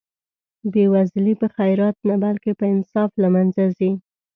بې وزلي په خیرات نه بلکې په انصاف له منځه ځي.